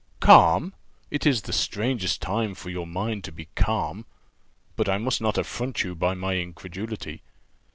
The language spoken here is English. "Calm! It is the strangest time for your mind to be calm. But I must not affront you by my incredulity.